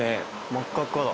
真っ赤っかだ。